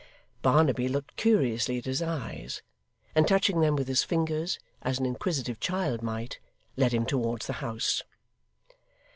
Barnaby looked curiously at his eyes, and touching them with his fingers, as an inquisitive child might, led him towards the house.